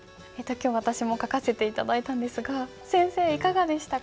今日私も書かせて頂いたんですが先生いかがでしたか？